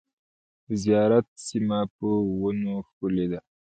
د زیارت سیمه په ونو ښکلې ده .